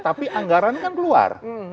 tapi anggaran kan keluar